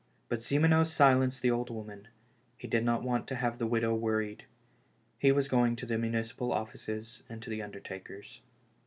But Simoneau silenced the old woman; he did not want to have the widow worried ; he was going to the municipal offices and to the undertakers.